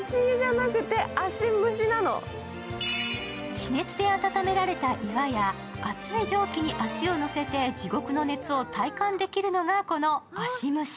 地熱で暖められた岩や熱い蒸気に足を乗せて地獄の熱を体感できるのがこの足蒸し。